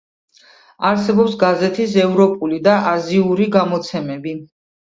არსებობს გაზეთის ევროპული და აზიური გამოცემები.